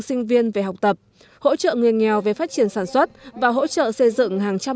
sinh viên về học tập hỗ trợ người nghèo về phát triển sản xuất và hỗ trợ xây dựng hàng trăm